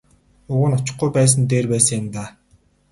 Уг нь очихгүй байсан нь дээр байсан юм даа.